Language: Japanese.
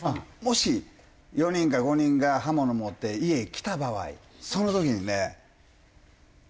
もし４人か５人が刃物持って家へ来た場合その時にねもう。